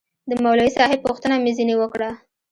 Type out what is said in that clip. د مولوي صاحب پوښتنه مې ځنې وكړه.